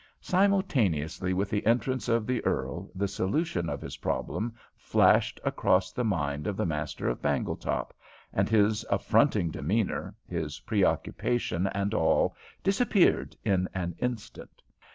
Simultaneously with the entrance of the earl the solution of his problem flashed across the mind of the master of Bangletop, and his affronting demeanor, his preoccupation and all disappeared in an instant.